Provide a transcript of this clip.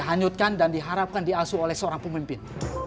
saya harapkan diasuh oleh seorang pemimpin